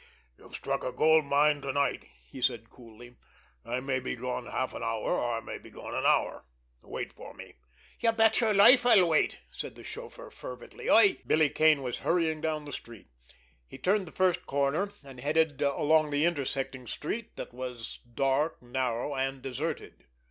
"You've struck a gold mine to night," he said coolly. "I may be gone half an hour, or I may be gone an hour—wait for me." "You bet your life, I'll wait!" said the chauffeur fervently. "I——" Billy Kane was hurrying down the street. He turned the first corner, and headed along the intersecting street, that was dark, narrow and deserted.